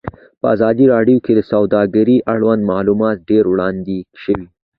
په ازادي راډیو کې د سوداګري اړوند معلومات ډېر وړاندې شوي.